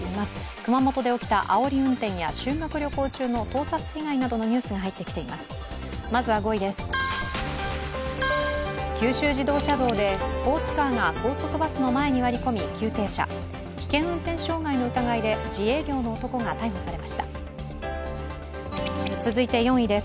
熊本で起きたあおり運転や修学旅行中の盗撮被害などのニュースが入ってきています。